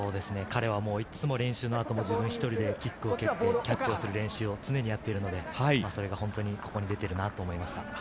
彼はいつも練習の後も自分１人でキックを蹴って、キャッチをする練習を常にやっているので、それが本当にここに出ているなと思いました。